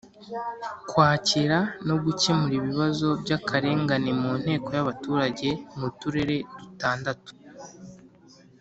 kwakira no gukemura ibibazo by’akarengane mu nteko y’abaturage mu turere dutandatu